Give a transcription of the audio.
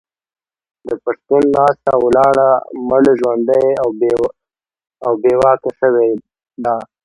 د پښتون ناسته او ولاړه مړژواندې او بې واکه شوې ده.